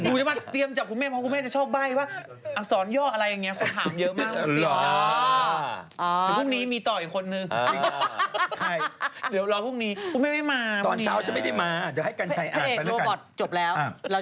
จะมาเตรียมจับคุณแม่เพราะคุณแม่จะชอบใบ้ว่าอักษรย่ออะไรอย่างนี้คนถามเยอะมาก